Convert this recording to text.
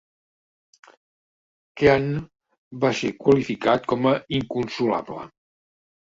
Keane va ser qualificat com a "inconsolable".